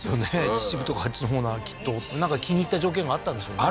秩父とかあっちのほうならきっとなんか気に入った条件があったんでしょうね